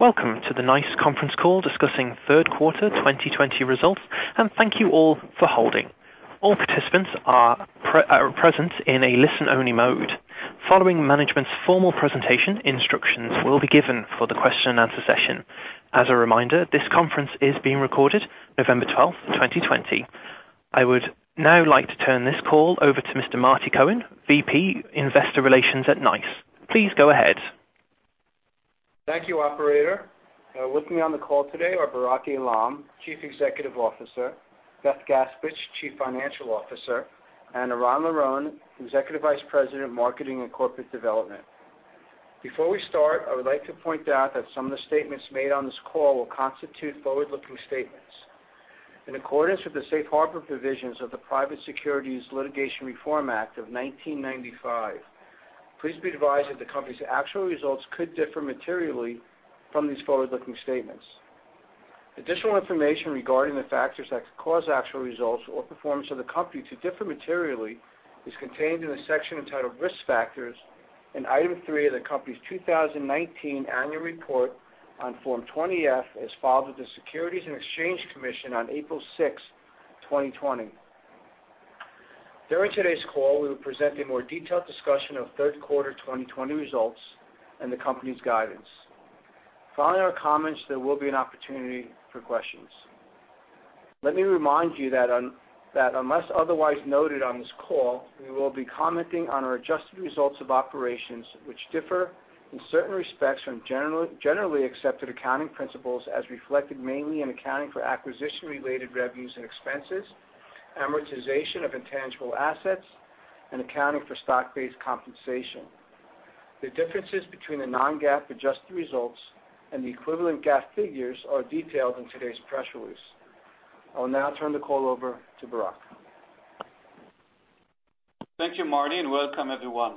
Welcome to the NICE conference call discussing third quarter 2020 results, and thank you all for holding. All participants are present in a listen-only mode. Following management's formal presentation, instructions will be given for the question and answer session. As a reminder, this conference is being recorded, November 12th, 2020. I would now like to turn this call over to Mr. Marty Cohen, VP Investor Relations at NICE. Please go ahead. Thank you, operator. With me on the call today are Barak Eilam, Chief Executive Officer, Beth Gaspich, Chief Financial Officer, and Eran Liron, Executive Vice President of Marketing and Corporate Development. Before we start, I would like to point out that some of the statements made on this call will constitute forward-looking statements. In accordance with the Safe Harbor provisions of the Private Securities Litigation Reform Act of 1995, please be advised that the company's actual results could differ materially from these forward-looking statements. Additional information regarding the factors that could cause actual results or performance of the company to differ materially is contained in a section entitled Risk Factors in Item 3 of the company's 2019 annual report on Form 20-F, as filed with the Securities and Exchange Commission on April 6, 2020. During today's call, we will present a more detailed discussion of third quarter 2020 results and the company's guidance. Following our comments, there will be an opportunity for questions. Let me remind you that unless otherwise noted on this call, we will be commenting on our adjusted results of operations, which differ in certain respects from generally accepted accounting principles, as reflected mainly in accounting for acquisition-related revenues and expenses, amortization of intangible assets, and accounting for stock-based compensation. The differences between the non-GAAP adjusted results and the equivalent GAAP figures are detailed in today's press release. I will now turn the call over to Barak. Thank you, Marty, and welcome, everyone.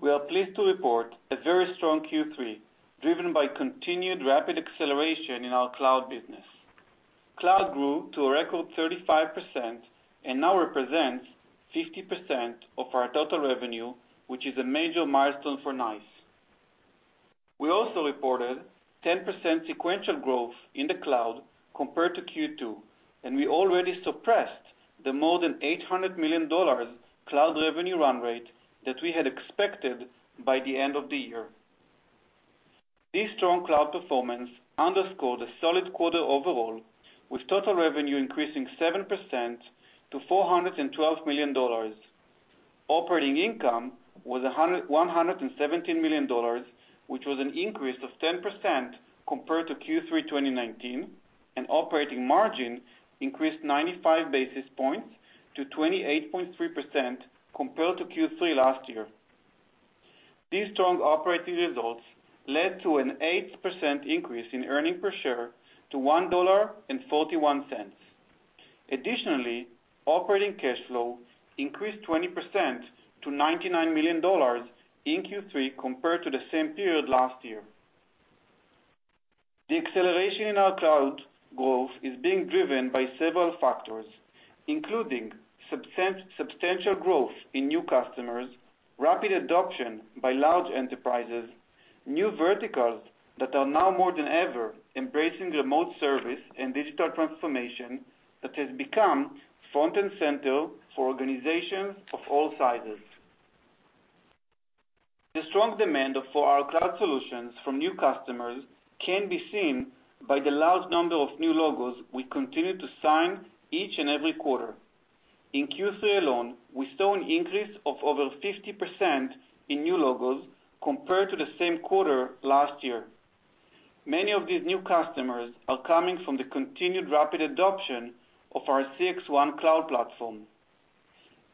We are pleased to report a very strong Q3, driven by continued rapid acceleration in our cloud business. Cloud grew to a record 35% and now represents 50% of our total revenue, which is a major milestone for NICE. We also reported 10% sequential growth in the cloud compared to Q2, and we already surpassed the more than $800 million cloud revenue run rate that we had expected by the end of the year. This strong cloud performance underscored a solid quarter overall, with total revenue increasing 7% to $412 million. Operating income was $117 million, which was an increase of 10% compared to Q3 2019, and operating margin increased 95 basis points to 28.3% compared to Q3 last year. These strong operating results led to an 8% increase in earnings per share to $1.41. Additionally, operating cash flow increased 20% to $99 million in Q3 compared to the same period last year. The acceleration in our cloud growth is being driven by several factors, including substantial growth in new customers, rapid adoption by large enterprises, new verticals that are now more than ever embracing remote service and digital transformation that has become front and center for organizations of all sizes. The strong demand for our cloud solutions from new customers can be seen by the large number of new logos we continue to sign each and every quarter. In Q3 alone, we saw an increase of over 50% in new logos compared to the same quarter last year. Many of these new customers are coming from the continued rapid adoption of our CXone cloud platform.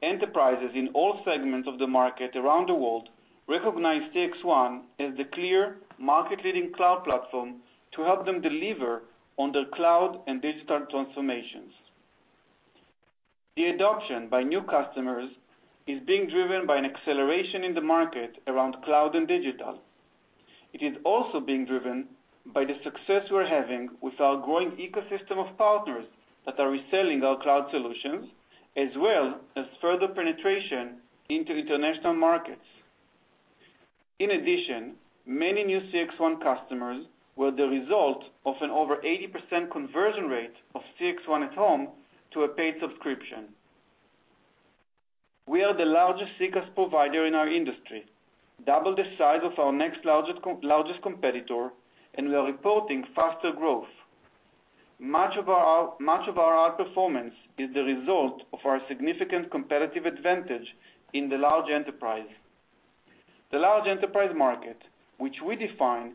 Enterprises in all segments of the market around the world recognize CXone as the clear market-leading cloud platform to help them deliver on their cloud and digital transformations. The adoption by new customers is being driven by an acceleration in the market around cloud and digital. It is also being driven by the success we're having with our growing ecosystem of partners that are reselling our cloud solutions, as well as further penetration into international markets. In addition, many new CXone customers were the result of an over 80% conversion rate of CXone@home to a paid subscription. We are the largest CCaaS provider in our industry, double the size of our next largest competitor, and we are reporting faster growth. Much of our outperformance is the result of our significant competitive advantage in the large enterprise. The large enterprise market, which we define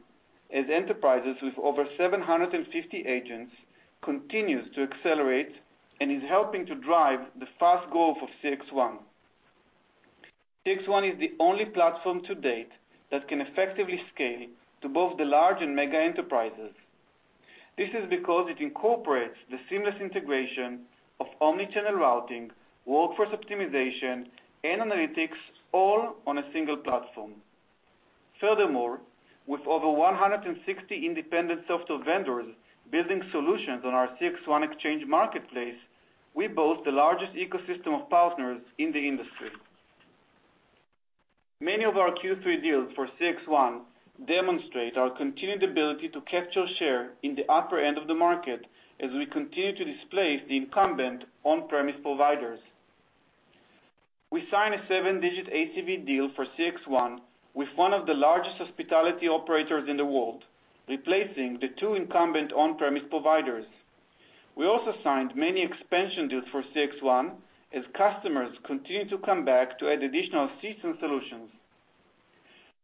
as enterprises with over 750 agents, continues to accelerate and is helping to drive the fast growth of CXone. CXone is the only platform to date that can effectively scale to both the large and mega enterprises. This is because it incorporates the seamless integration of omni-channel routing, workforce optimization, and analytics all on a single platform. Furthermore, with over 160 independent software vendors building solutions on our CXexchange Marketplace. We boast the largest ecosystem of partners in the industry. Many of our Q3 deals for CXone demonstrate our continued ability to capture share in the upper end of the market as we continue to displace the incumbent on-premise providers. We signed a seven-digit ACV deal for CXone with one of the largest hospitality operators in the world, replacing the two incumbent on-premise providers. We also signed many expansion deals for CXone as customers continue to come back to add additional seats and solutions.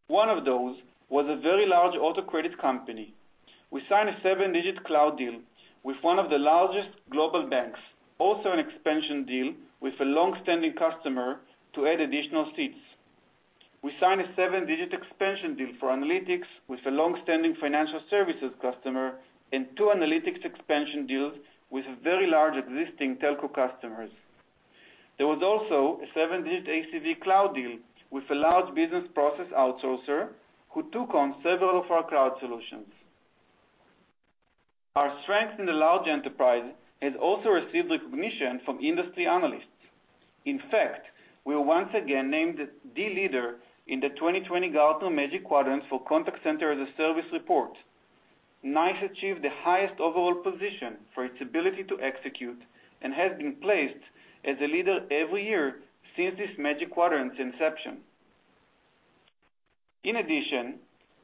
One of those was a very large auto credit company. We signed a seven-digit cloud deal with one of the largest global banks, also an expansion deal with a longstanding customer to add additional seats. We signed a seven-digit expansion deal for analytics with a longstanding financial services customer and two analytics expansion deals with very large existing telco customers. There was also a seven-digit ACV cloud deal with a large business process outsourcer who took on several of our cloud solutions. Our strength in the large enterprise has also received recognition from industry analysts. In fact, we were once again named the leader in the 2020 Gartner Magic Quadrant for Contact Center as a Service report. NICE achieved the highest overall position for its ability to execute and has been placed as a leader every year since this Magic Quadrant's inception. In addition,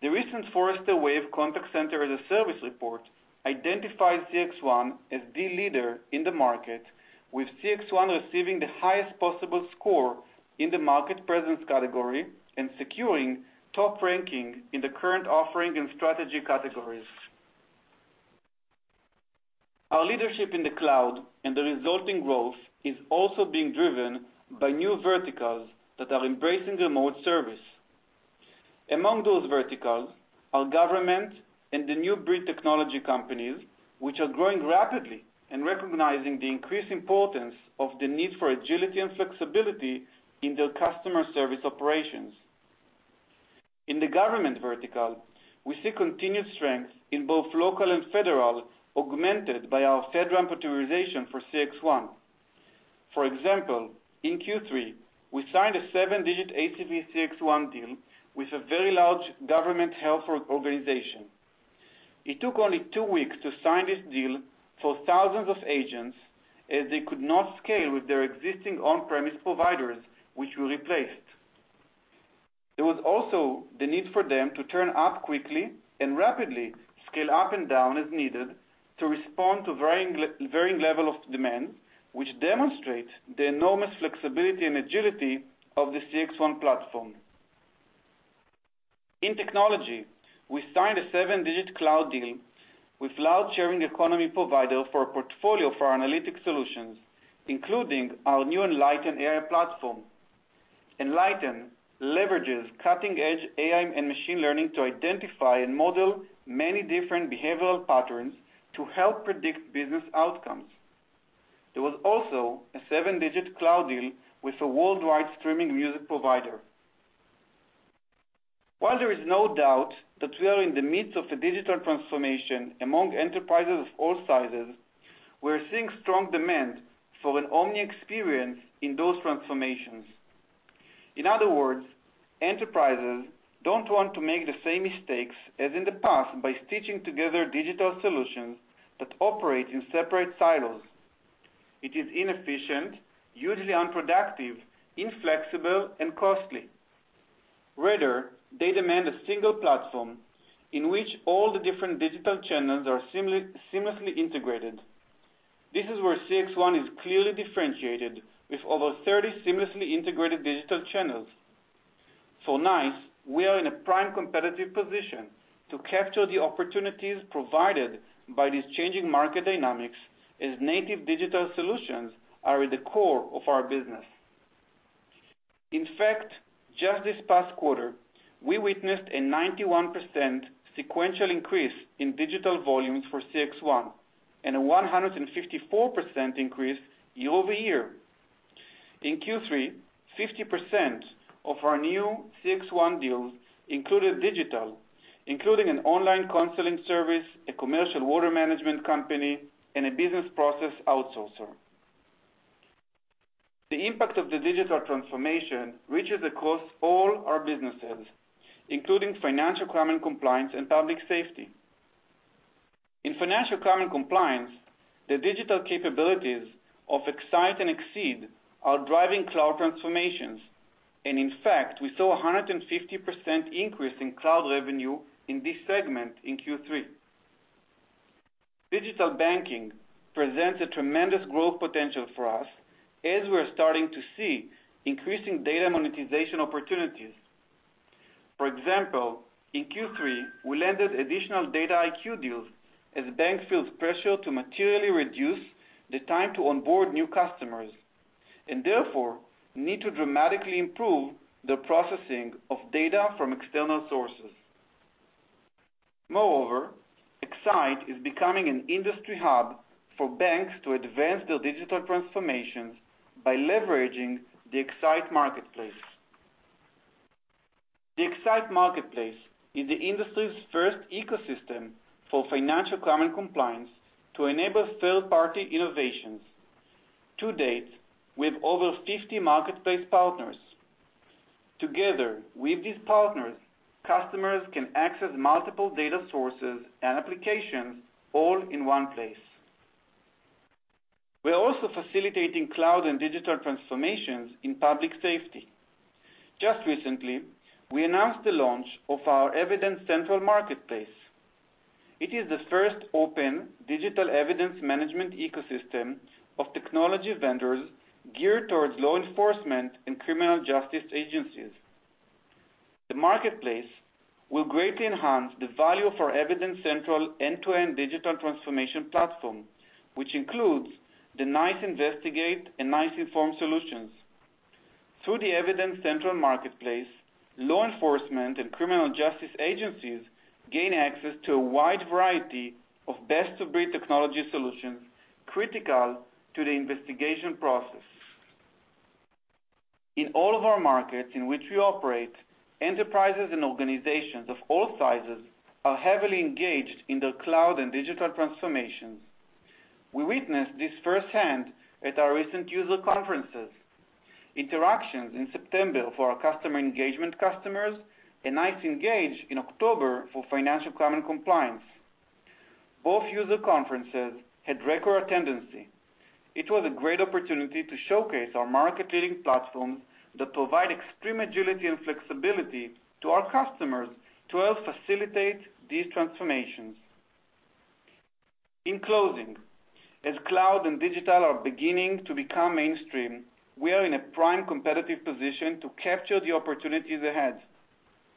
the recent Forrester Wave Contact Center as a Service report identifies CXone as the leader in the market, with CXone receiving the highest possible score in the market presence category and securing top ranking in the current offering and strategy categories. Our leadership in the cloud and the resulting growth is also being driven by new verticals that are embracing remote service. Among those verticals are government and the new breed technology companies, which are growing rapidly and recognizing the increased importance of the need for agility and flexibility in their customer service operations. In the government vertical, we see continued strength in both local and federal, augmented by our FedRAMP authorization for CXone. For example, in Q3, we signed a seven-digit ACV CXone deal with a very large government health organization. It took only two weeks to sign this deal for thousands of agents, as they could not scale with their existing on-premise providers, which we replaced. There was also the need for them to turn up quickly and rapidly scale up and down as needed to respond to varying level of demand, which demonstrate the enormous flexibility and agility of the CXone platform. In technology, we signed a seven-digit cloud deal with large sharing economy provider for a portfolio for our analytic solutions, including our new Enlighten AI platform. Enlighten leverages cutting-edge AI and machine learning to identify and model many different behavioral patterns to help predict business outcomes. There was also a seven-digit cloud deal with a worldwide streaming music provider. While there is no doubt that we are in the midst of a digital transformation among enterprises of all sizes, we're seeing strong demand for an omni experience in those transformations. In other words, enterprises don't want to make the same mistakes as in the past by stitching together digital solutions that operate in separate silos. It is inefficient, hugely unproductive, inflexible, and costly. Rather, they demand a single platform in which all the different digital channels are seamlessly integrated. This is where CXone is clearly differentiated with over 30 seamlessly integrated digital channels. For NICE, we are in a prime competitive position to capture the opportunities provided by these changing market dynamics as native digital solutions are at the core of our business. In fact, just this past quarter, we witnessed a 91% sequential increase in digital volumes for CXone and a 154% increase year-over-year. In Q3, 50% of our new CXone deals included digital, including an online counseling service, a commercial water management company, and a business process outsourcer. The impact of the digital transformation reaches across all our businesses, including financial crime and compliance and public safety. In financial crime and compliance, the digital capabilities of X-Sight and Xceed are driving cloud transformations. In fact, we saw 150% increase in cloud revenue in this segment in Q3. Digital banking presents a tremendous growth potential for us as we're starting to see increasing data monetization opportunities. For example, in Q3, we landed additional DataIQ deals as banks feel pressure to materially reduce the time to onboard new customers, and therefore need to dramatically improve the processing of data from external sources. Moreover, X-Sight is becoming an industry hub for banks to advance their digital transformations by leveraging the X-Sight Marketplace. The X-Sight Marketplace is the industry's first ecosystem for financial crime and compliance to enable third-party innovations. To date, we have over 50 marketplace partners. Together with these partners, customers can access multiple data sources and applications all in one place. We are also facilitating cloud and digital transformations in public safety. Just recently, we announced the launch of our Evidence Central Marketplace. It is the first open digital evidence management ecosystem of technology vendors geared towards law enforcement and criminal justice agencies. The marketplace will greatly enhance the value of our Evidence Central end-to-end digital transformation platform, which includes the NICE Investigate and NICE Inform solutions. Through the Evidence Central Marketplace, law enforcement and criminal justice agencies gain access to a wide variety of best-of-breed technology solutions critical to the investigation process. In all of our markets in which we operate, enterprises and organizations of all sizes are heavily engaged in their cloud and digital transformations. We witnessed this firsthand at our recent user conferences, Interactions in September for our customer engagement customers, and NICE Engage in October for financial crime and compliance. Both user conferences had record attendance. It was a great opportunity to showcase our market-leading platforms that provide extreme agility and flexibility to our customers to help facilitate these transformations. In closing, as cloud and digital are beginning to become mainstream, we are in a prime competitive position to capture the opportunities ahead.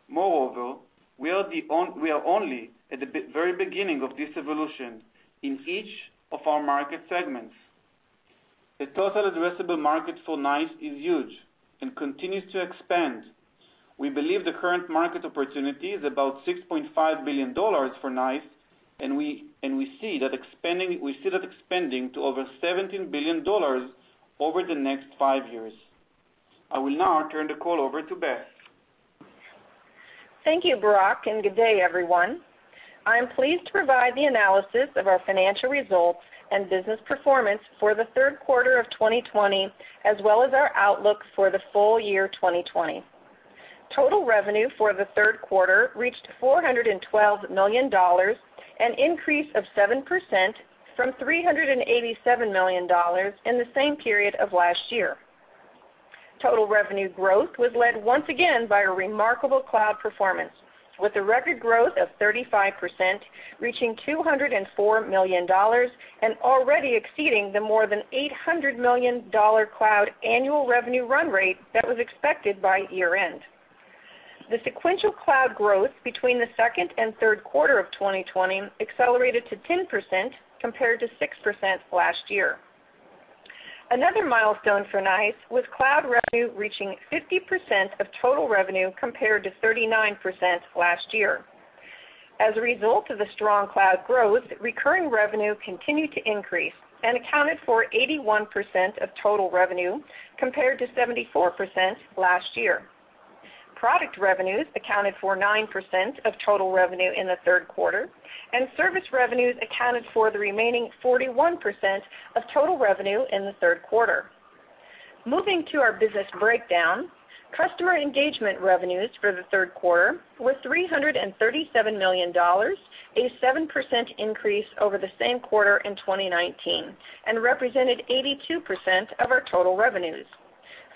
Moreover, we are only at the very beginning of this evolution in each of our market segments. The total addressable market for NICE is huge and continues to expand. We believe the current market opportunity is about $6.5 billion for NICE, and we see that expanding to over $17 billion over the next five years. I will now turn the call over to Beth. Thank you, Barak, and good day, everyone. I'm pleased to provide the analysis of our financial results and business performance for the third quarter of 2020, as well as our outlook for the full year 2020. Total revenue for the third quarter reached $412 million, an increase of 7% from $387 million in the same period of last year. Total revenue growth was led once again by a remarkable cloud performance with a record growth of 35%, reaching $204 million and already exceeding the more than $800 million cloud annual revenue run rate that was expected by year-end. The sequential cloud growth between the second and third quarter of 2020 accelerated to 10% compared to 6% last year. Another milestone for NICE was cloud revenue reaching 50% of total revenue compared to 39% last year. As a result of the strong cloud growth, recurring revenue continued to increase and accounted for 81% of total revenue, compared to 74% last year. Service revenues accounted for the remaining 41% of total revenue in the third quarter. Moving to our business breakdown. Customer engagement revenues for the third quarter were $337 million, a 7% increase over the same quarter in 2019, represented 82% of our total revenues.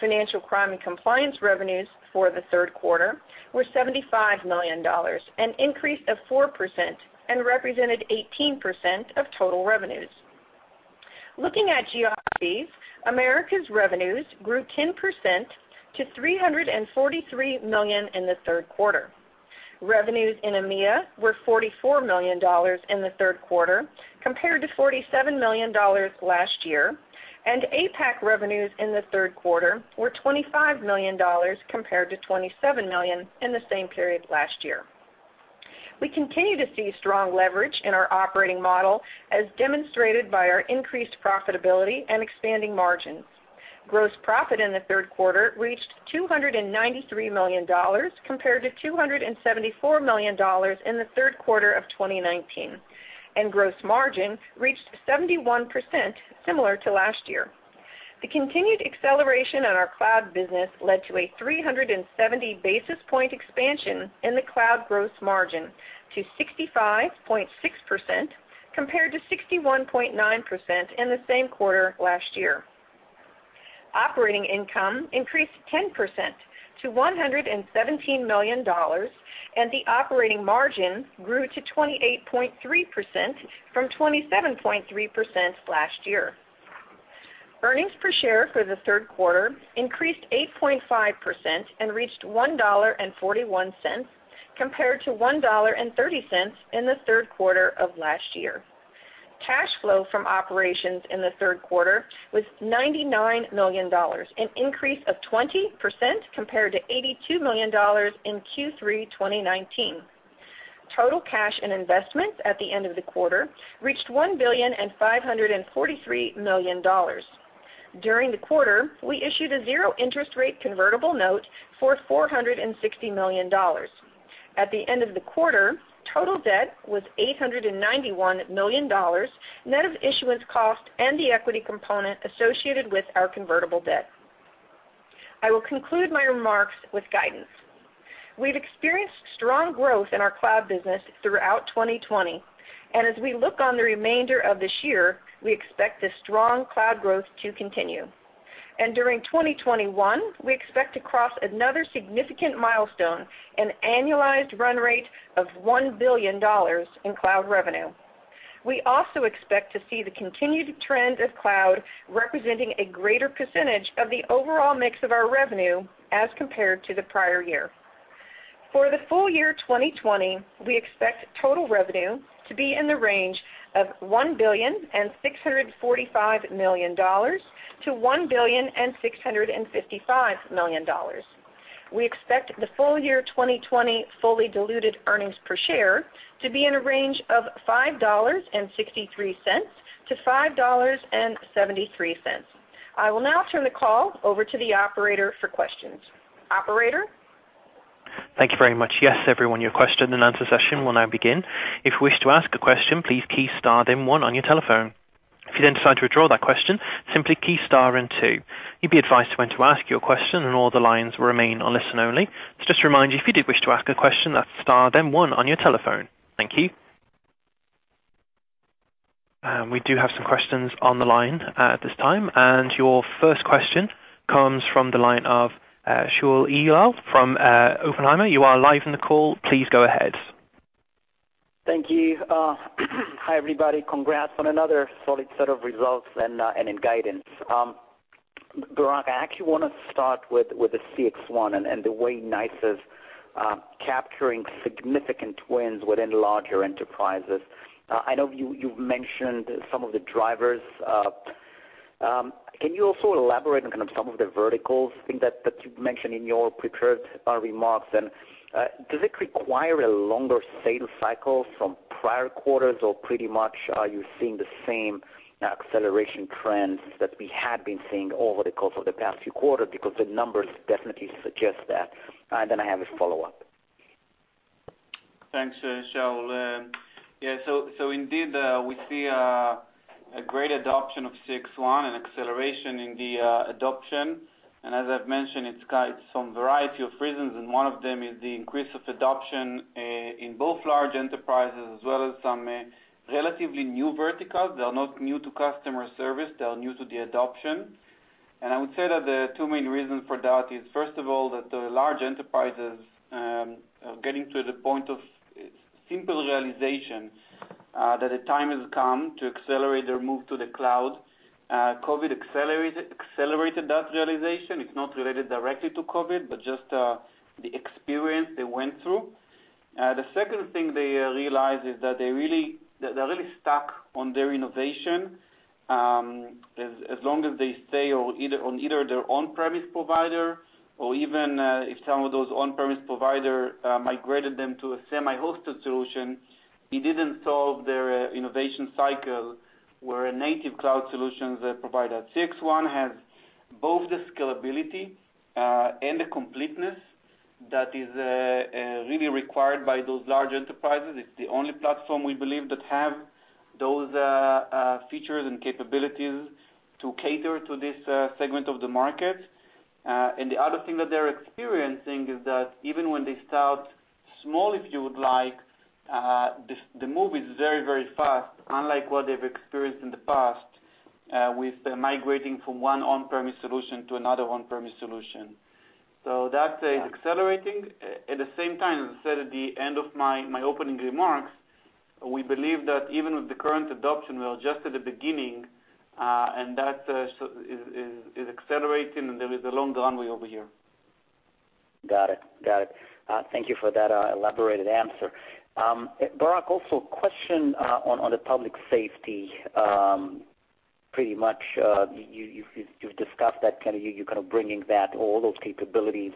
Financial crime and compliance revenues for the third quarter were $75 million, an increase of 4%, represented 18% of total revenues. Looking at geographies, Americas revenues grew 10% to $343 million in the third quarter. Revenues in EMEA were $44 million in the third quarter compared to $47 million last year. APAC revenues in the third quarter were $25 million compared to $27 million in the same period last year. We continue to see strong leverage in our operating model as demonstrated by our increased profitability and expanding margins. Gross profit in the third quarter reached $293 million compared to $274 million in the third quarter of 2019, and gross margin reached 71%, similar to last year. The continued acceleration on our cloud business led to a 370 basis point expansion in the cloud gross margin to 65.6%, compared to 61.9% in the same quarter last year. Operating income increased 10% to $117 million, and the operating margin grew to 28.3% from 27.3% last year. Earnings per share for the third quarter increased 8.5% and reached $1.41 compared to $1.30 in the third quarter of last year. Cash flow from operations in the third quarter was $99 million, an increase of 20% compared to $82 million in Q3 2019. Total cash and investments at the end of the quarter reached $1 billion and $543 million. During the quarter, we issued a zero interest rate convertible note for $460 million. At the end of the quarter, total debt was $891 million, net of issuance cost and the equity component associated with our convertible debt. I will conclude my remarks with guidance. We've experienced strong growth in our cloud business throughout 2020. As we look on the remainder of this year, we expect this strong cloud growth to continue. During 2021, we expect to cross another significant milestone, an annualized run rate of $1 billion in cloud revenue. We also expect to see the continued trend of cloud representing a greater percentage of the overall mix of our revenue as compared to the prior year. For the full year 2020, we expect total revenue to be in the range of $1 billion and $645 million to $1 billion and $655 million. We expect the full year 2020 fully diluted earnings per share to be in a range of $5.63-$5.73. I will now turn the call over to the operator for questions. Operator? Thank you very much. Yes, everyone, your question and answer session will now begin. If you wish to ask a question, please key star, then one on your telephone. If you then decide to withdraw that question, simply key star and two. You'd be advised when to ask your question and all the lines remain on listen only. Just to remind you, if you did wish to ask a question, that's star, then one on your telephone. Thank you. We do have some questions on the line at this time. And your first question comes from the line of Shaul Eyal from Oppenheimer. You are live in the call. Please go ahead. Thank you. Hi, everybody. Congrats on another solid set of results and in guidance. Barak, I actually want to start with the CXone and the way NICE is capturing significant wins within larger enterprises. I know you've mentioned some of the drivers. Can you also elaborate on kind of some of the verticals I think that you've mentioned in your prepared remarks? Does it require a longer sales cycle from prior quarters, or pretty much are you seeing the same acceleration trends that we had been seeing over the course of the past few quarters? Because the numbers definitely suggest that. I have a follow-up. Thanks, Shaul. Yeah, indeed, we see a great adoption of CXone and acceleration in the adoption. As I've mentioned, it's got some variety of reasons, and one of them is the increase of adoption in both large enterprises as well as some relatively new verticals. They are not new to customer service, they are new to the adoption. I would say that the two main reasons for that is, first of all, that the large enterprises are getting to the point of simple realization that the time has come to accelerate their move to the cloud. COVID accelerated that realization. It's not related directly to COVID, but just the experience they went through. The second thing they realized is that they're really stuck on their innovation. As long as they stay on either their on-premise provider or even if some of those on-premise provider migrated them to a semi-hosted solution, it didn't solve their innovation cycle where a native cloud solutions provider, CXone, has both the scalability and the completeness that is really required by those large enterprises. It's the only platform we believe that have those features and capabilities to cater to this segment of the market. The other thing that they're experiencing is that even when they start small, if you would like, the move is very fast, unlike what they've experienced in the past, with migrating from one on-premise solution to another on-premise solution. That is accelerating. At the same time, as I said at the end of my opening remarks, we believe that even with the current adoption, we are just at the beginning, and that is accelerating, and there is a long runway over here. Got it. Thank you for that elaborated answer. Barak, also question on the public safety. Pretty much, you've discussed that you're kind of bringing all those capabilities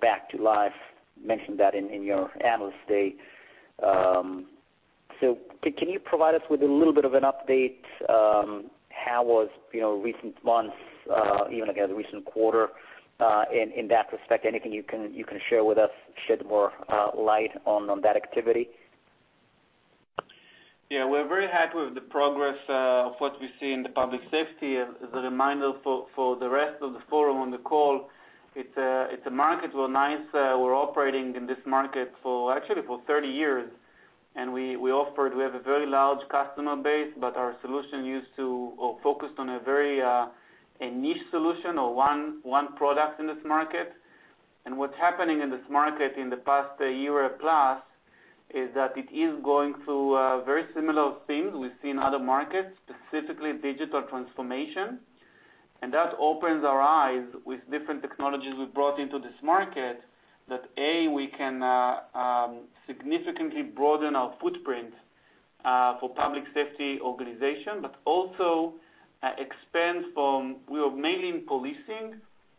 back to life, mentioned that in your analyst day. Can you provide us with a little bit of an update? How was recent months, even, again, the recent quarter, in that respect? Anything you can share with us, shed more light on that activity? We're very happy with the progress of what we see in the public safety. As a reminder for the rest of the forum on the call, it's a market where NICE were operating in this market for, actually for 30 years. We have a very large customer base, but our solution used to or focused on a very niche solution or one product in this market. What's happening in this market in the past year plus is that it is going through very similar themes we see in other markets, specifically digital transformation. That opens our eyes with different technologies we've brought into this market that, A, we can significantly broaden our footprint for public safety organization, but also expands from, we are mainly in policing,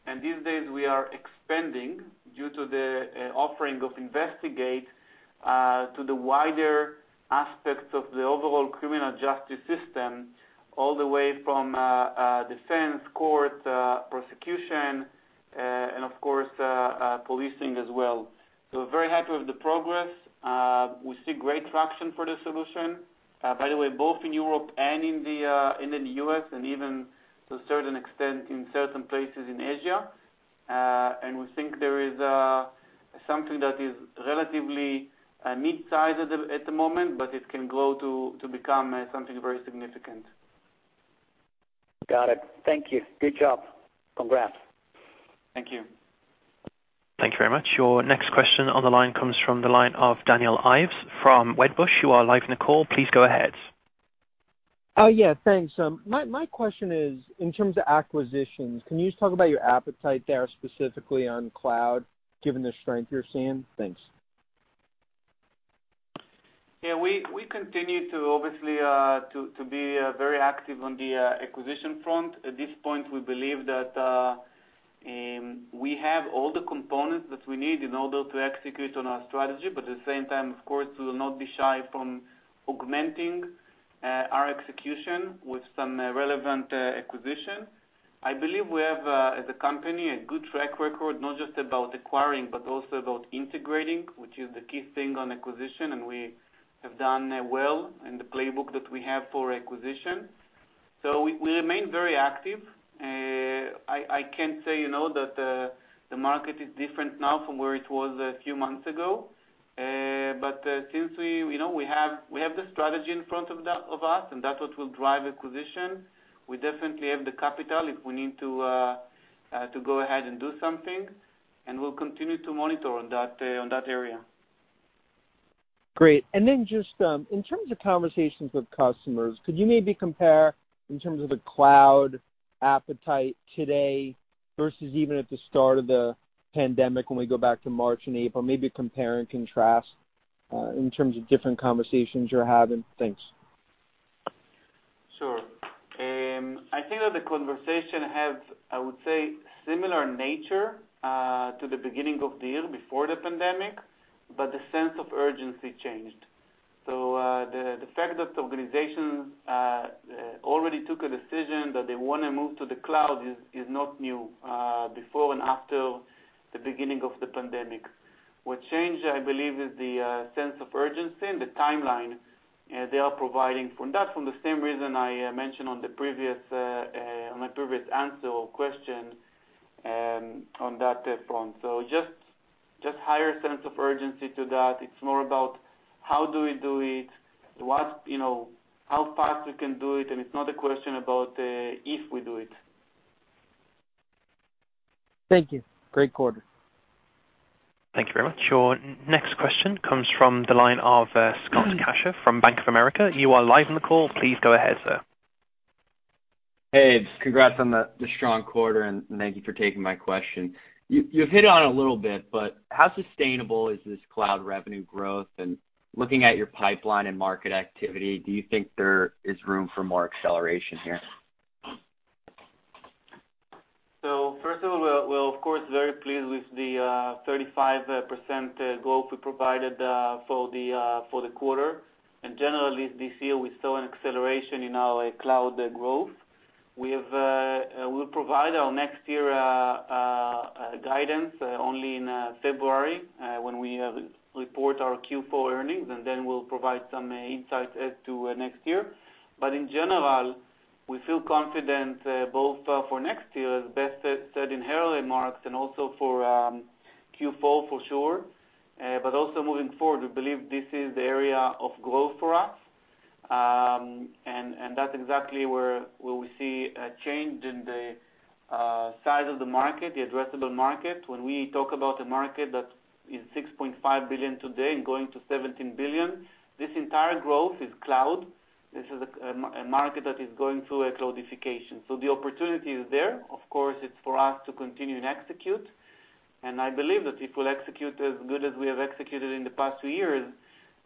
and these days we are expanding due to the offering of NICE Investigate to the wider aspects of the overall criminal justice system, all the way from defense, court, prosecution, and of course, policing as well. Very happy with the progress. We see great traction for the solution. By the way, both in Europe and in the U.S., and even to a certain extent, in certain places in Asia. We think there is something that is relatively a mid-size at the moment, but it can grow to become something very significant. Got it. Thank you. Good job. Congrats. Thank you. Thank you very much. Your next question on the line comes from the line of Daniel Ives from Wedbush. You are live in the call. Please go ahead. Thanks. My question is, in terms of acquisitions, can you just talk about your appetite there, specifically on cloud, given the strength you're seeing? Thanks. Yeah, we continue obviously to be very active on the acquisition front. At this point, we believe that we have all the components that we need in order to execute on our strategy. At the same time, of course, we will not be shy from augmenting our execution with some relevant acquisition. I believe we have, as a company, a good track record, not just about acquiring, but also about integrating, which is the key thing on acquisition, and we have done well in the playbook that we have for acquisition. We remain very active. I can say that the market is different now from where it was a few months ago. Since we have the strategy in front of us, and that's what will drive acquisition. We definitely have the capital if we need to go ahead and do something, and we'll continue to monitor on that area. Great. Just in terms of conversations with customers, could you maybe compare in terms of the cloud appetite today versus even at the start of the pandemic when we go back to March and April? Maybe compare and contrast in terms of different conversations you're having. Thanks. Sure. I think that the conversation have, I would say, similar nature to the beginning of the year, before the pandemic, but the sense of urgency changed. The fact that the organization already took a decision that they want to move to the cloud is not new, before and after the beginning of the pandemic. What changed, I believe, is the sense of urgency and the timeline they are providing from that, from the same reason I mentioned on my previous answer or question on that front. Just higher sense of urgency to that. It's more about how do we do it, how fast we can do it, and it's not a question about if we do it. Thank you. Great quarter. Thank you very much. Your next question comes from the line of Scott Casher from Bank of America. You are live on the call. Please go ahead, sir. Hey. Congrats on the strong quarter, and thank you for taking my question. You've hit on it a little bit, but how sustainable is this cloud revenue growth? Looking at your pipeline and market activity, do you think there is room for more acceleration here? First of all, we're of course, very pleased with the 35% growth we provided for the quarter. Generally, this year, we saw an acceleration in our cloud growth. We'll provide our next year guidance only in February, when we report our Q4 earnings, and then we'll provide some insights as to next year. In general, we feel confident both for next year, as Beth said in her remarks, and also for Q4 for sure. Also moving forward, we believe this is the area of growth for us. That's exactly where we see a change in the size of the market, the addressable market. When we talk about a market that is $6.5 billion today and going to $17 billion, this entire growth is cloud. This is a market that is going through a cloudification. The opportunity is there. Of course, it's for us to continue and execute. I believe that if we'll execute as good as we have executed in the past two years,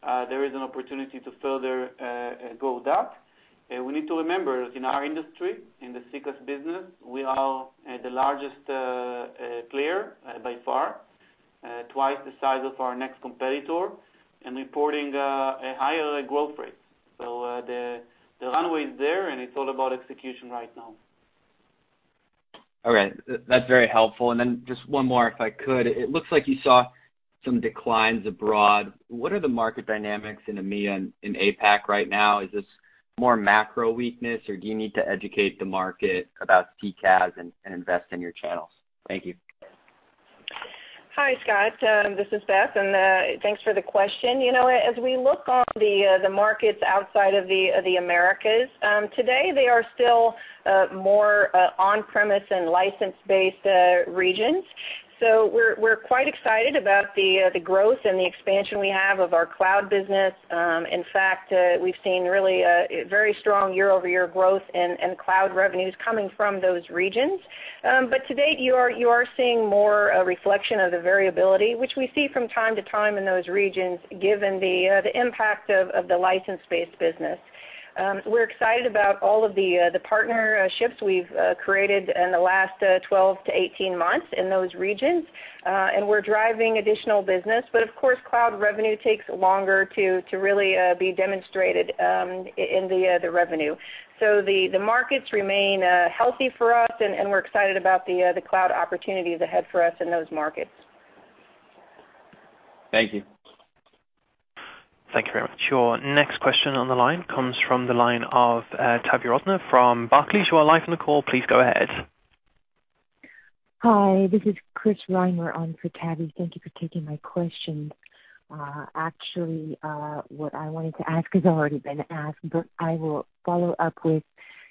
there is an opportunity to further grow that. We need to remember, in our industry, in the CCaaS business, we are the largest player by far, twice the size of our next competitor, and reporting a higher growth rate. The runway is there, and it's all about execution right now. All right. That's very helpful. Then just one more, if I could. It looks like you saw some declines abroad. What are the market dynamics in EMEA and in APAC right now? Is this more macro weakness, or do you need to educate the market about CCaaS and invest in your channels? Thank you. Hi, Scott. This is Beth. Thanks for the question. As we look on the markets outside of the Americas, today they are still more on-premise and license-based regions. We're quite excited about the growth and the expansion we have of our cloud business. In fact, we've seen really very strong year-over-year growth in cloud revenues coming from those regions. To date, you are seeing more a reflection of the variability, which we see from time to time in those regions given the impact of the license-based business. We're excited about all of the partnerships we've created in the last 12-18 months in those regions, and we're driving additional business. Of course, cloud revenue takes longer to really be demonstrated in the revenue. The markets remain healthy for us, and we're excited about the cloud opportunities ahead for us in those markets. Thank you. Thank you very much. Your next question on the line comes from the line of Tavy Rosner from Barclays, who are live on the call. Please go ahead. Hi, this is Chris Reimer on for Tavy. Thank you for taking my question. What I wanted to ask has already been asked, but I will follow up with,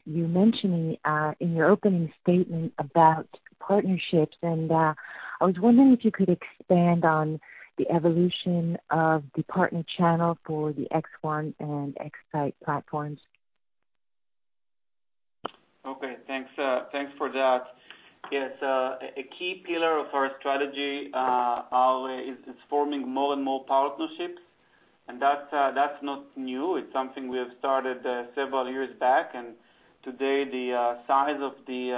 you mentioning, in your opening statement about partnerships, and I was wondering if you could expand on the evolution of the partner channel for the CXone and X-Sight platforms. Okay. Thanks for that. Yes. A key pillar of our strategy is forming more and partnerships. That's not new. It's something we have started several years back. Today the size of the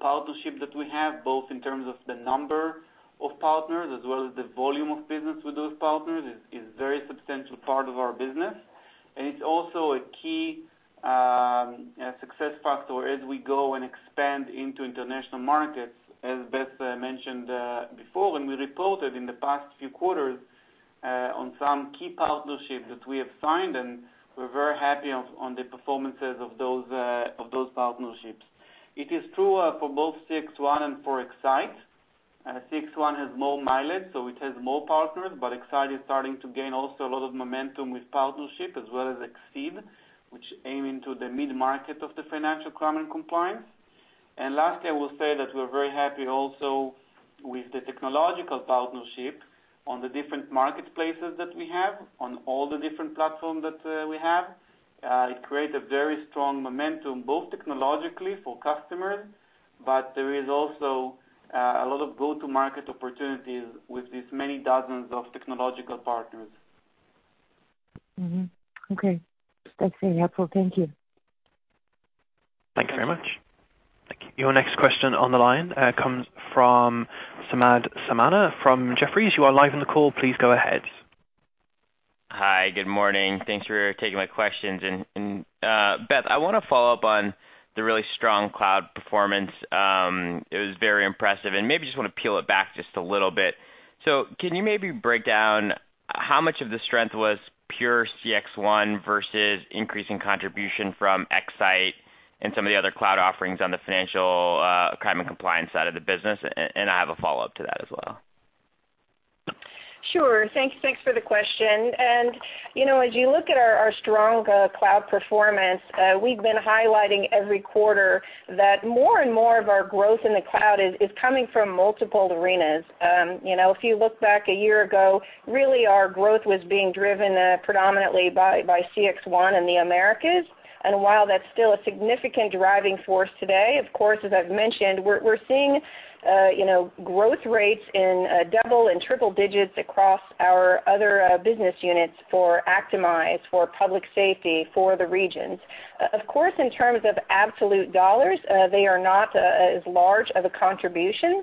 partnership that we have, both in terms of the number of partners as well as the volume of business with those partners, is very substantial part of our business. It's also a key success factor as we go and expand into international markets. As Beth mentioned before, when we reported in the past few quarters on some key partnerships that we have signed, and we're very happy on the performances of those partnerships. It is true for both CXone and for X-Sight. CXone has more mileage, it has more partners, X-Sight is starting to gain also a lot of momentum with partnership as well as Xceed, which aim into the mid-market of the financial crime and compliance. Lastly, I will say that we're very happy also with the technological partnership on the different marketplaces that we have on all the different platform that we have. It create a very strong momentum, both technologically for customers, there is also a lot of go-to-market opportunities with these many dozens of technological partners. Okay. That's very helpful. Thank you. Thanks very much. Thank you. Your next question on the line comes from Samad Samana from Jefferies. You are live on the call. Please go ahead. Hi. Good morning. Thanks for taking my questions. Beth, I want to follow up on the really strong cloud performance. It was very impressive, and maybe just want to peel it back just a little bit. Can you maybe break down how much of the strength was pure CXone versus increasing contribution from X-Sight and some of the other cloud offerings on the financial crime, and compliance side of the business? I have a follow-up to that as well. Sure. Thanks for the question. As you look at our strong cloud performance, we've been highlighting every quarter that more and more of our growth in the cloud is coming from multiple arenas. If you look back a year ago, really our growth was being driven predominantly by CXone in the Americas. While that's still a significant driving force today, of course, as I've mentioned, we're seeing growth rates in double and triple digits across our other business units for Actimize, for public safety, for the regions. Of course, in terms of absolute dollars, they are not as large of a contribution.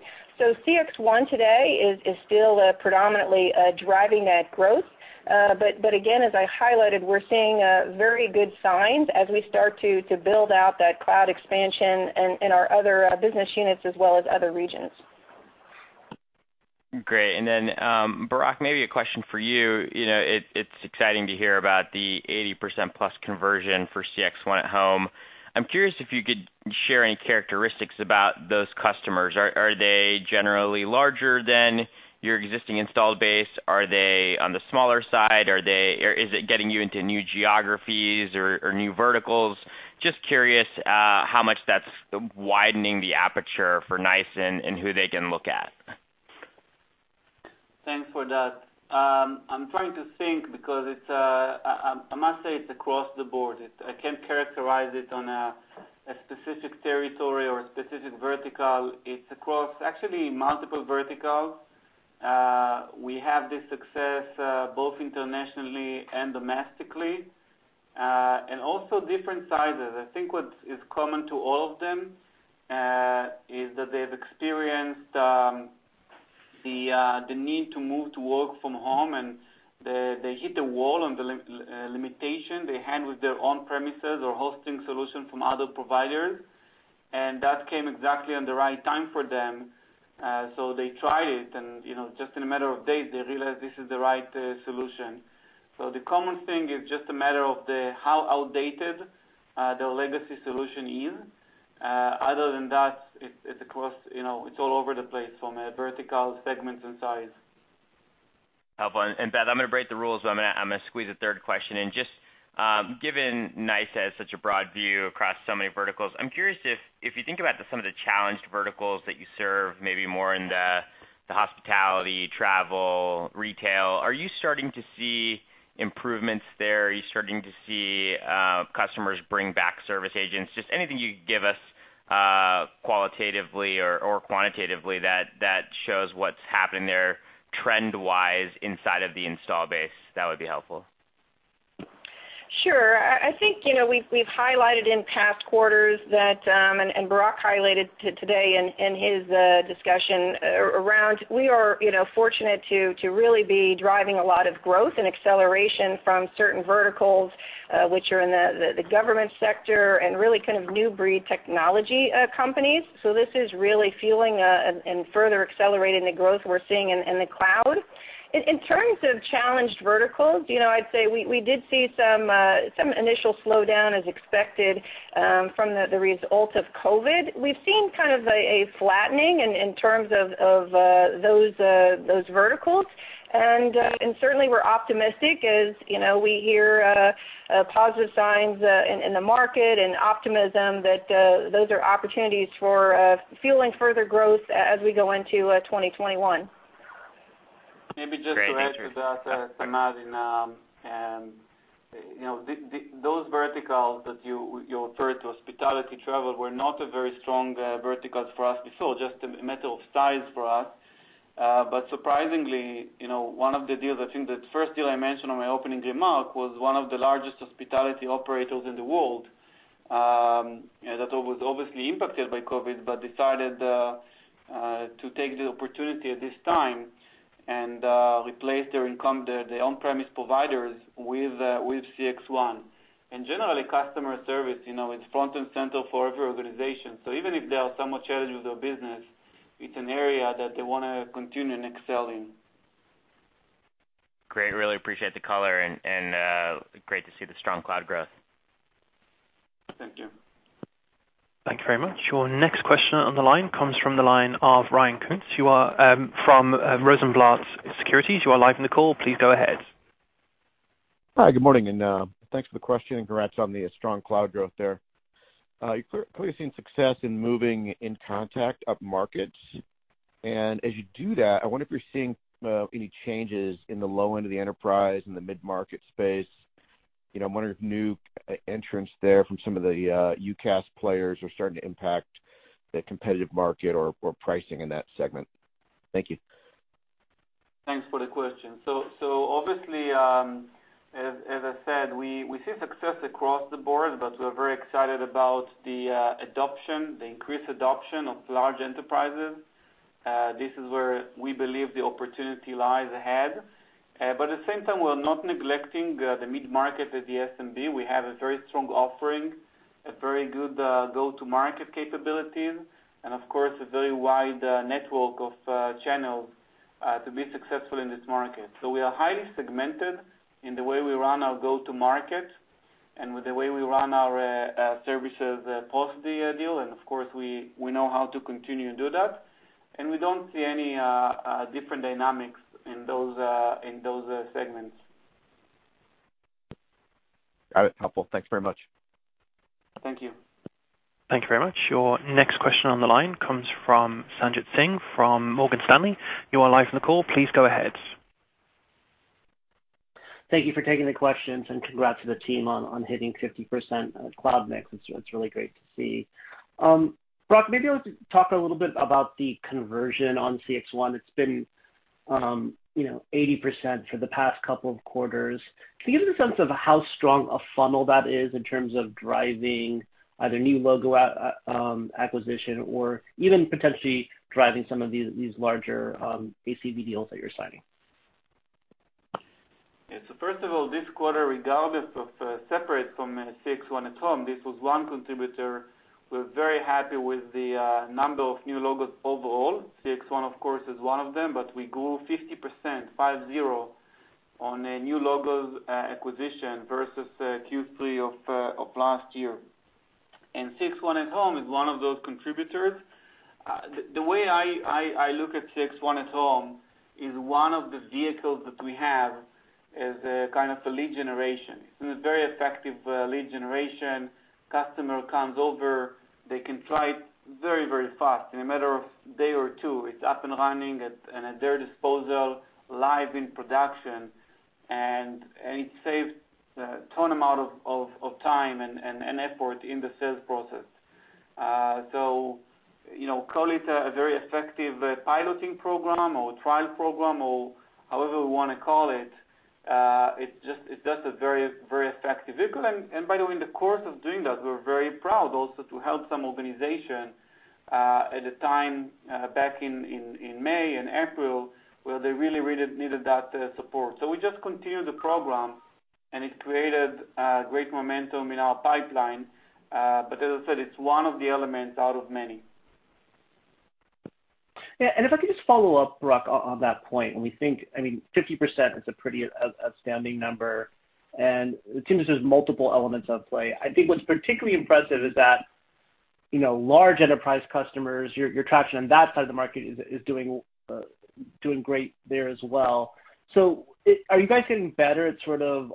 CXone today is still predominantly driving that growth. Again, as I highlighted, we're seeing very good signs as we start to build out that cloud expansion in our other business units as well as other regions. Great. Barak, maybe a question for you. It's exciting to hear about the 80% plus conversion for CXone@home. I'm curious if you could share any characteristics about those customers. Are they generally larger than your existing installed base? Are they on the smaller side? Is it getting you into new geographies or new verticals? Just curious how much that's widening the aperture for NICE and who they can look at. Thanks for that. I'm trying to think because I must say it's across the board. I can't characterize it on a specific territory or a specific vertical. It's across actually multiple verticals. We have this success both internationally and domestically, and also different sizes. I think what is common to all of them, is that they've experienced the need to move to work-from-home, and they hit a wall on the limitation they had with their on-premises or hosting solution from other providers. That came exactly on the right time for them. They tried it, and just in a matter of days, they realized this is the right solution. The common thing is just a matter of how outdated their legacy solution is. Other than that, it's all over the place from a vertical segment and size. Helpful. Beth, I'm going to break the rules, but I'm going to squeeze a third question in. Just given NICE has such a broad view across so many verticals, I'm curious if you think about some of the challenged verticals that you serve, maybe more in the hospitality, travel, retail, are you starting to see improvements there? Are you starting to see customers bring back service agents? Just anything you could give us qualitatively or quantitatively that shows what's happened there trend-wise inside of the install base, that would be helpful. Sure. I think we've highlighted in past quarters that, and Barak highlighted today in his discussion around, we are fortunate to really be driving a lot of growth and acceleration from certain verticals, which are in the government sector and really kind of new breed technology companies. This is really fueling and further accelerating the growth we're seeing in the cloud. In terms of challenged verticals, I'd say we did see some initial slowdown as expected from the result of COVID. We've seen kind of a flattening in terms of those verticals. Certainly, we're optimistic as we hear positive signs in the market and optimism that those are opportunities for fueling further growth as we go into 2021. Maybe just to add to that, Samad, those verticals that you refer to, hospitality, travel, were not a very strong verticals for us before, just a matter of size for us. Surprisingly, one of the deals, I think the first deal I mentioned on my opening remark was one of the largest hospitality operators in the world, that was obviously impacted by COVID, but decided to take the opportunity at this time and replace their on-premise providers with CXone. Generally, customer service, it's front and center for every organization. Even if they are somewhat challenged with their business, it's an area that they want to continue and excel in. Great. Really appreciate the color, and great to see the strong cloud growth. Thank you. Thank you very much. Your next question on the line comes from the line of Ryan Koontz. You are from Rosenblatt Securities. You are live in the call. Please go ahead. Hi, good morning. Thanks for the question. Congrats on the strong cloud growth there. You're clearly seeing success in moving in contact up markets. As you do that, I wonder if you're seeing any changes in the low end of the enterprise and the mid-market space. I'm wondering if new entrants there from some of the UCaaS players are starting to impact the competitive market or pricing in that segment. Thank you. Thanks for the question. Obviously, as I said, we see success across the board, but we're very excited about the adoption, the increased adoption of large enterprises. This is where we believe the opportunity lies ahead. At the same time, we're not neglecting the mid-market or the SMB. We have a very strong offering, a very good go-to-market capabilities, and of course, a very wide network of channels to be successful in this market. We are highly segmented in the way we run our go-to-market and with the way we run our services post the deal. Of course, we know how to continue to do that. We don't see any different dynamics in those segments. Got it. Helpful. Thanks very much. Thank you. Thank you very much. Your next question on the line comes from Sanjit Singh from Morgan Stanley. You are live on the call. Please go ahead. Thank you for taking the questions and congrats to the team on hitting 50% cloud mix. It's really great to see. Barak, maybe I'll just talk a little bit about the conversion on CXone. It's been 80% for the past couple of quarters. Can you give us a sense of how strong a funnel that is in terms of driving either new logo acquisition or even potentially driving some of these larger ACV deals that you're signing? First of all, this quarter, regardless of separate from CXone at home, this was one contributor. We are very happy with the number of new logos overall. CXone, of course, is one of them. We grew 50% on a new logos acquisition versus Q3 of last year. CXone at home is one of those contributors. The way I look at CXone at home is one of the vehicles that we have as a kind of a lead generation. It is a very effective lead generation. Customer comes over, they can try it very, very fast in a matter of day or two. It is up and running and at their disposal, live in production, and it saves a ton amount of time and effort in the sales process. Call it a very effective piloting program or trial program or however we want to call it's just a very effective vehicle. By the way, in the course of doing that, we're very proud also to help some organization at the time back in May and April, where they really needed that support. We just continued the program, and it created great momentum in our pipeline. As I said, it's one of the elements out of many. Yeah, if I could just follow up, Barak, on that point, when we think, I mean, 50% is a pretty outstanding number, and it seems there's multiple elements at play. I think what's particularly impressive is that large enterprise customers, your traction on that side of the market is doing great there as well. Are you guys getting better at sort of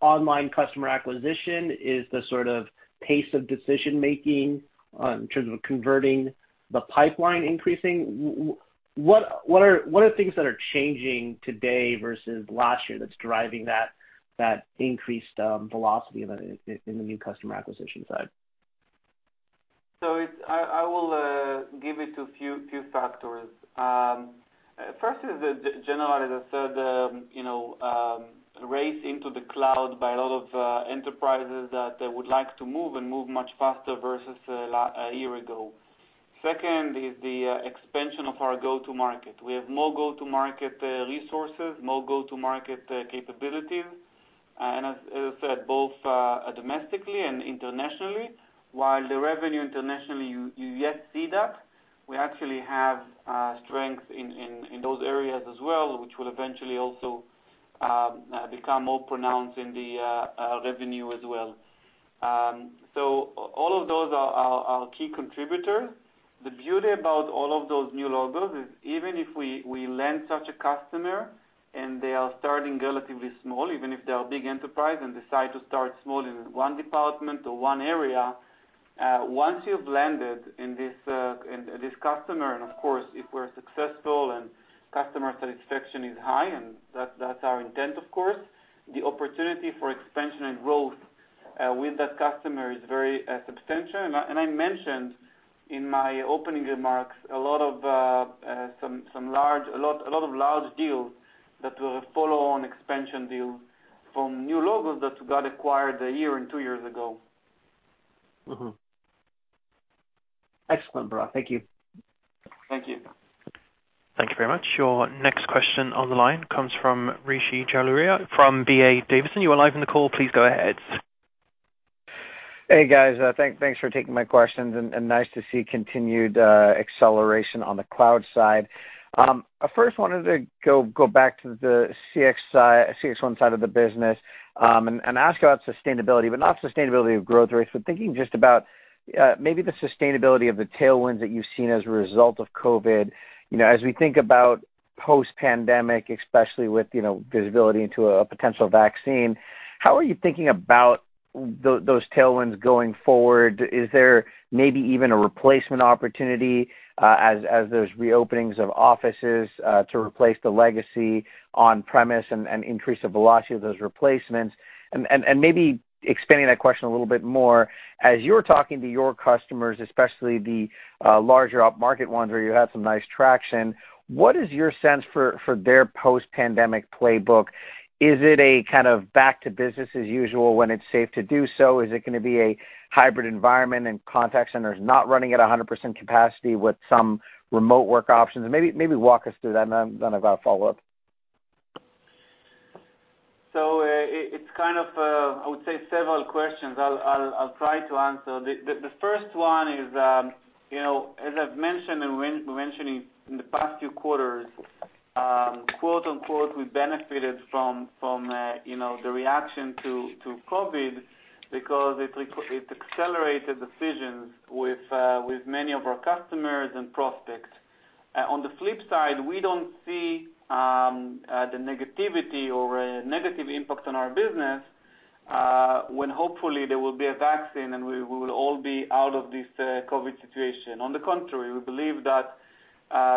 online customer acquisition? Is the sort of pace of decision making in terms of converting the pipeline increasing? What are things that are changing today versus last year that's driving that increased velocity in the new customer acquisition side? I will give it to few factors. First is generally, as I said, race into the cloud by a lot of enterprises that would like to move and move much faster versus a year ago. Second is the expansion of our go-to market. We have more go-to-market resources, more go-to-market capabilities, and as I said, both domestically and internationally. While the revenue internationally, you yet see that, we actually have strength in those areas as well, which will eventually also become more pronounced in the revenue as well. All of those are key contributors. The beauty about all of those new logos is even if we land such a customer and they are starting relatively small, even if they're a big enterprise and decide to start small in one department or one area, once you've landed in this customer, and, of course, if we're successful and customer satisfaction is high, and that's our intent, of course, the opportunity for expansion and growth with that customer is very substantial. I mentioned in my opening remarks, a lot of large deals that will follow on expansion deals from new logos that got acquired a year and two years ago. Excellent, Barak. Thank you. Thank you. Thank you very much. Your next question on the line comes from Rishi Jaluria from D.A. Davidson. You are live on the call. Please go ahead. Hey, guys. Thanks for taking my questions, and nice to see continued acceleration on the cloud side. I first wanted to go back to the CXone side of the business, and ask about sustainability, but not sustainability of growth rates, but thinking just about maybe the sustainability of the tailwinds that you've seen as a result of COVID. As we think about post-pandemic, especially with visibility into a potential vaccine, how are you thinking about those tailwinds going forward? Is there maybe even a replacement opportunity, as those reopenings of offices, to replace the legacy on-premise and increase the velocity of those replacements? Maybe expanding that question a little bit more, as you're talking to your customers, especially the larger upmarket ones where you had some nice traction, what is your sense for their post-pandemic playbook? Is it a kind of back to business as usual when it's safe to do so? Is it going to be a hybrid environment and contact centers not running at 100% capacity with some remote work options? Maybe walk us through that, and then I've got a follow-up. It's kind of, I would say several questions. I'll try to answer. The first one is, as I've mentioned, and we mentioned in the past few quarters, "we benefited from the reaction to COVID because it accelerated decisions with many of our customers and prospects." On the flip side, we don't see the negativity or a negative impact on our business, when hopefully there will be a vaccine, and we will all be out of this COVID situation. On the contrary, we believe that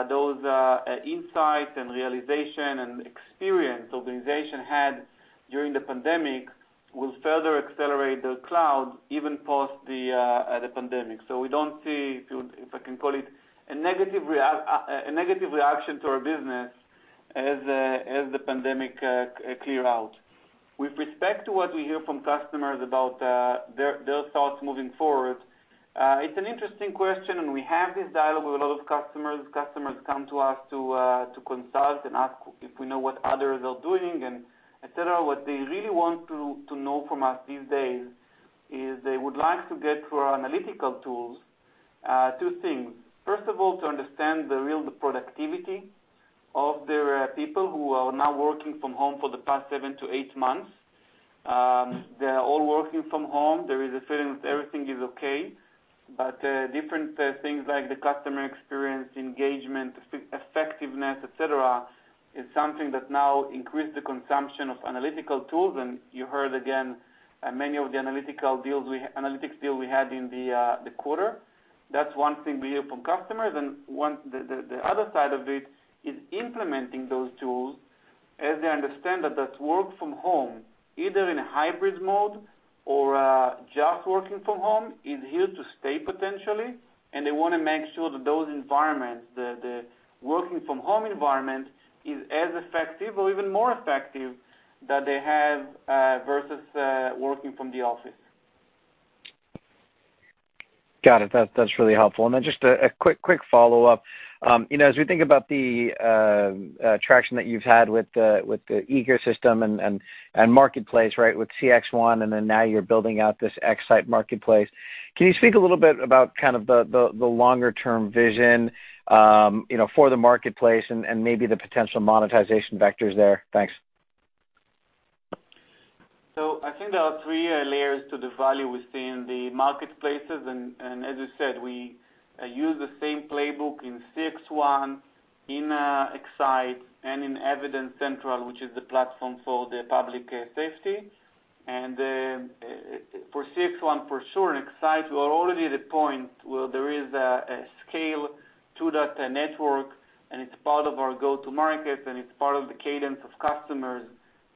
those insights and realization and experience the organization had during the pandemic will further accelerate the cloud, even post the pandemic. We don't see, if I can call it, a negative reaction to our business as the pandemic clear out. With respect to what we hear from customers about their thoughts moving forward, it's an interesting question, and we have this dialogue with a lot of customers. Customers come to us to consult and ask if we know what others are doing, etc. What they really want to know from us these days is they would like to get through our analytical tools two things. First of all, to understand the real productivity of their people who are now working from home for the past seven to eight months. They're all working from home. There is a feeling that everything is okay, but different things like the customer experience, engagement, effectiveness, etc., is something that now increase the consumption of analytical tools. You heard again, many of the analytics deal we had in the quarter. That's one thing we hear from customers. The other side of it is implementing those tools as they understand that this work from home, either in a hybrid mode or just working from home, is here to stay potentially. They want to make sure that those environments, the working from home environment, is as effective or even more effective than they have versus working from the office. Got it. That's really helpful. Just a quick follow-up. As we think about the traction that you've had with the ecosystem and marketplace with CXone, now you're building out this X-Sight Marketplace, can you speak a little bit about the longer-term vision for the marketplace and maybe the potential monetization vectors there? Thanks. I think there are three layers to the value we see in the marketplaces, and as you said, we use the same playbook in CXone, in X-Sight and in Evidence Central, which is the platform for the public safety. For CXone, for sure, in X-Sight, we are already at a point where there is a scale to that network, and it's part of our go-to market, and it's part of the cadence of customers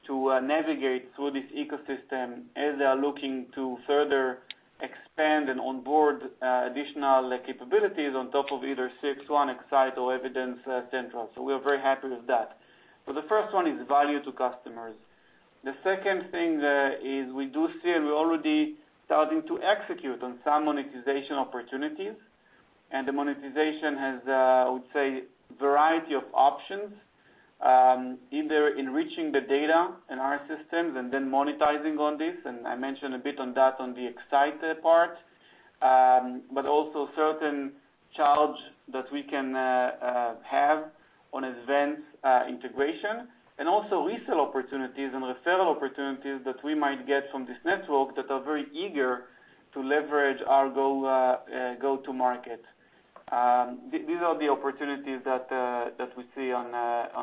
to navigate through this ecosystem as they are looking to further expand and onboard additional capabilities on top of either CXone, X-Sight or Evidence Central. We are very happy with that. The first one is value to customers. The second thing is we do see, and we're already starting to execute on some monetization opportunities. The monetization has, I would say, a variety of options, either in reaching the data in our systems and then monetizing on this, I mentioned a bit on that on the X-Sight part. Also certain charge that we can have on advanced integration and also resell opportunities and referral opportunities that we might get from this network that are very eager to leverage our go-to market. These are the opportunities that we see on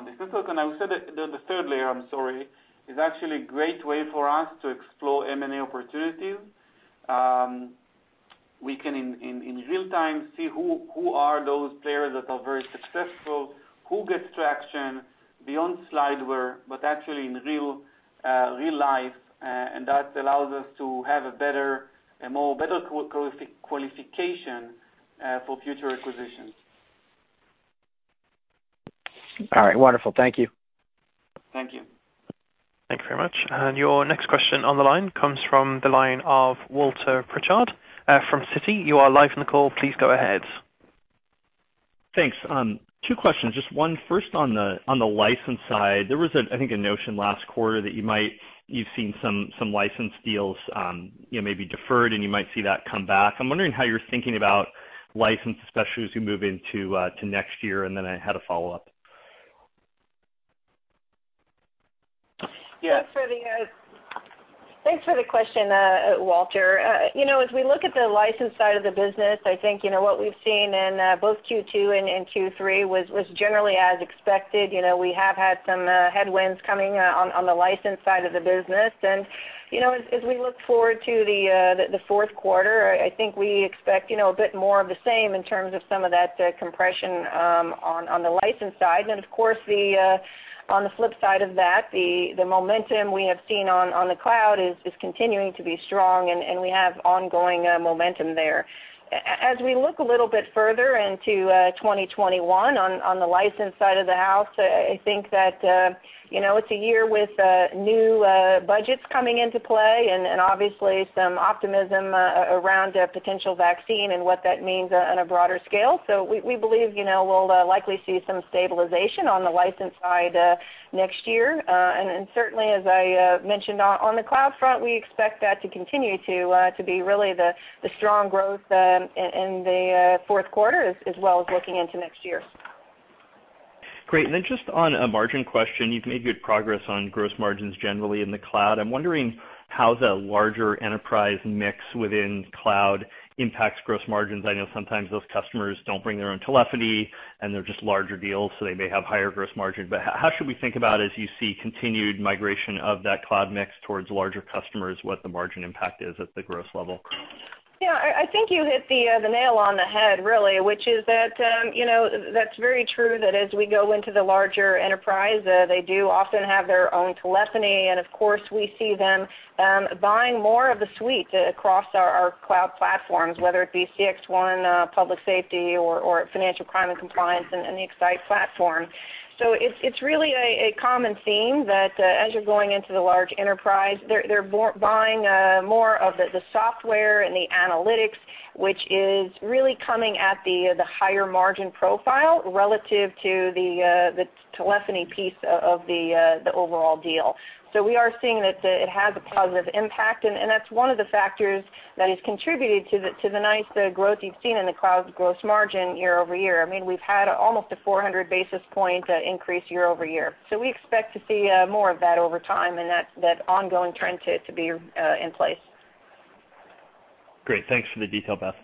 this. I would say that the third layer, I'm sorry, is actually a great way for us to explore M&A opportunities. We can, in real time, see who are those players that are very successful, who gets traction beyond slideware, but actually in real life. That allows us to have a better qualification for future acquisitions. All right. Wonderful. Thank you. Thank you. Thank you very much. Your next question on the line comes from the line of Walter Pritchard from Citi. You are live in the call. Please go ahead. Thanks. Two questions. Just one first on the license side. There was, I think, a notion last quarter that you've seen some license deals maybe deferred and you might see that come back. I'm wondering how you're thinking about license, especially as we move into next year. I had a follow-up. Thanks for the question, Walter. As we look at the license side of the business, I think, what we've seen in both Q2 and Q3 was generally as expected. We have had some headwinds coming on the license side of the business. As we look forward to the fourth quarter, I think we expect a bit more of the same in terms of some of that compression on the license side. Of course, on the flip side of that, the momentum we have seen on the cloud is continuing to be strong, and we have ongoing momentum there. As we look a little bit further into 2021 on the license side of the house, I think that it's a year with new budgets coming into play and obviously some optimism around a potential vaccine and what that means on a broader scale. We believe we'll likely see some stabilization on the license side next year. Certainly, as I mentioned on the cloud front, we expect that to continue to be really the strong growth in the fourth quarter as well as looking into next year. Great. Just on a margin question. You've made good progress on gross margins generally in the cloud. I am wondering how the larger enterprise mix within cloud impacts gross margins. I know sometimes those customers don't bring their own telephony and they are just larger deals, so they may have higher gross margin. How should we think about, as you see continued migration of that cloud mix towards larger customers, what the margin impact is at the gross level? Yeah, I think you hit the nail on the head, really, which is that's very true that as we go into the larger enterprise, they do often have their own telephony, and of course, we see them buying more of the suite across our cloud platforms, whether it be CXone, Public Safety or Financial Crime and Compliance, and the X-Sight platform. It's really a common theme that as you're going into the large enterprise, they're buying more of the software and the analytics, which is really coming at the higher margin profile relative to the telephony piece of the overall deal. We are seeing that it has a positive impact, and that's one of the factors that has contributed to the nice growth you've seen in the cloud gross margin year-over-year. We've had almost a 400 basis point increase year-over-year. We expect to see more of that over time, and that ongoing trend to be in place. Great. Thanks for the detail, Beth.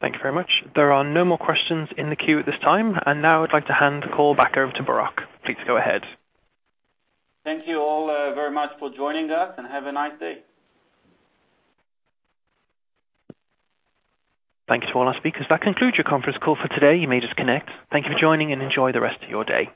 Thank you very much. There are no more questions in the queue at this time. Now I'd like to hand the call back over to Barak. Please go ahead. Thank you all very much for joining us, and have a nice day. Thanks to all our speakers. That concludes your conference call for today. You may disconnect. Thank you for joining, and enjoy the rest of your day.